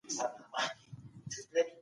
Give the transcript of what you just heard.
د کندهار په ټولنه کي د جومات ارزښت څه دی؟